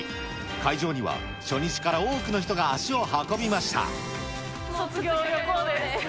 会場には初日から多くの人が足を卒業旅行です。